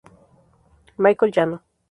Michael Yano